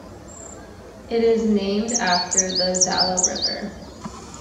It is named after the Zala River.